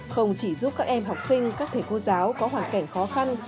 không chỉ giúp các em học sinh các thầy cô giáo có hoàn cảnh khó khăn